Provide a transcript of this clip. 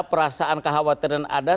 perasaan kekhawatiran ada